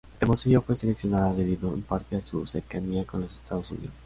Hermosillo fue seleccionada debido en parte a su cercanía con los Estados Unidos.